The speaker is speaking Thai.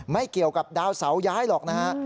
ไม่เกี่ยวกับดาวเสาย้ายหรอกนะฮะ